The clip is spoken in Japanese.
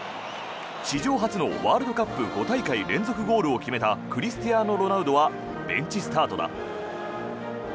史上初のワールドカップ５大会連続ゴールを決めたクリスティアーノ・ロナウドはベンチスタートだ。